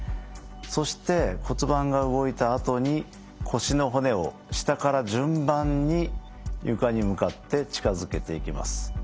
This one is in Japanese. そして骨盤が動いたあとに腰の骨を下から順番に床に向かって近づけていきます。